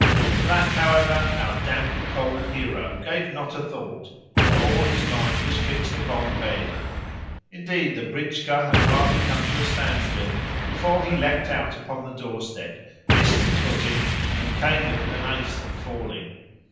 To that, however, our damp, cold hero gave not a thought, for all his mind was fixed upon bed. Indeed, the britchka had hardly come to a standstill before he leapt out upon the doorstep, missed his footing, and came within an ace of falling.